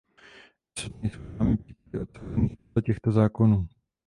Dosud nejsou známy případy odsouzených podle těchto zákonů.